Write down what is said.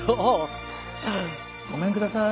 ごめんください。